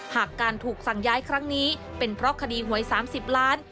หากการถูกสั่งย้ายครั้งนี้เป็นเพราะคดีหวย๓๐ล้าน